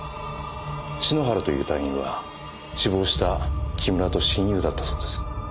篠原という隊員は死亡した木村と親友だったそうです。